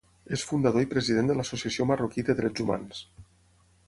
És fundador i President de l'Associació Marroquí de Drets Humans.